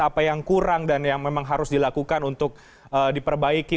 apa yang kurang dan yang memang harus dilakukan untuk diperbaiki